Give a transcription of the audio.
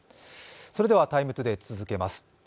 それでは「ＴＩＭＥ，ＴＯＤＡＹ」続けます。